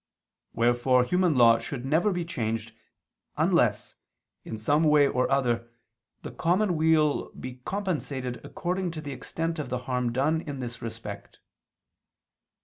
Wherefore human law should never be changed, unless, in some way or other, the common weal be compensated according to the extent of the harm done in this respect.